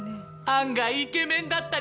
案外イケメンだったりして。